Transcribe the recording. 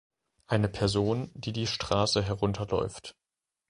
Ein Person, die die Straße herunter läuft